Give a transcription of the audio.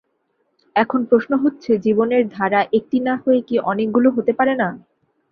এখন প্রশ্ন হচ্ছে, জীবনের ধারা একটি না হয়ে কি অনেকগুলো হতে পারে না?